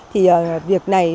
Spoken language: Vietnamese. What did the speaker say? thì việc này